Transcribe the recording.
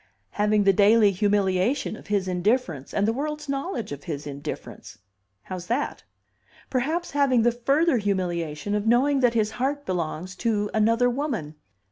Having the daily humiliation of his indifference, and the world's knowledge of his indifference. How's that? Perhaps having the further humiliation of knowing that his heart belongs to another woman.